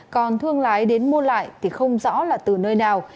còn thương lái đến mua lại thì không rõ là từ nơi nào